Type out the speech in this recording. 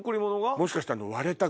もしかして。